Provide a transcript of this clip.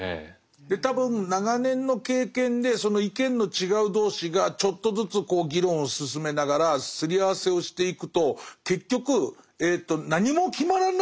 で多分長年の経験でその意見の違う同士がちょっとずつ議論を進めながらすり合わせをしていくと結局何も決まらないんだっていう。